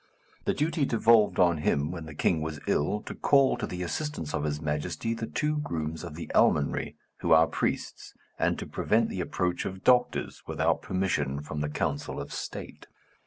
The duty devolved on him when the king was ill, to call to the assistance of his Majesty the two grooms of the almonry, who are priests, and to prevent the approach of doctors without permission from the council of state.